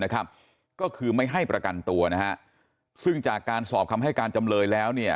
ก็คือไม่ให้ประกันตัวนะฮะซึ่งจากการสอบคำให้การจำเลยแล้วเนี่ย